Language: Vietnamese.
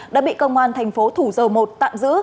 đã bị công an tp thủ dầu một tạm giữ